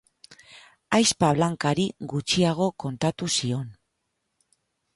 Ahizpa Blancari gutxiago kontatu zion.